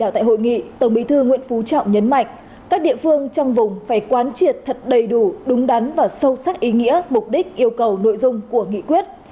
tại hội nghị tổng bí thư nguyễn phú trọng nhấn mạnh các địa phương trong vùng phải quán triệt thật đầy đủ đúng đắn và sâu sắc ý nghĩa mục đích yêu cầu nội dung của nghị quyết